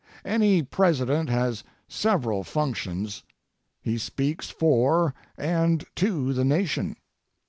Any President has several functions. He speaks for and to the Nation.